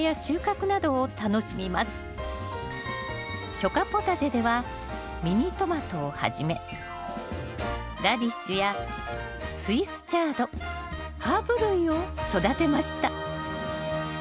初夏ポタジェではミニトマトをはじめラディッシュやスイスチャードハーブ類を育てました